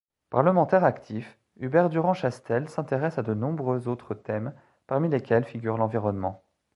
Parlementaire actif, Hubert Durand-Chastel s'intéresse à de nombreux autres thèmes parmi lesquels figure l'environnement.